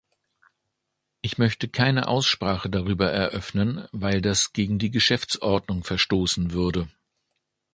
Ich möchte keine Aussprache darüber eröffnen, weil das gegen die Geschäftsordnung verstoßen würde.